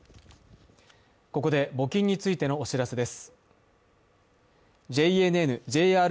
ここで募金についてのお知らせです。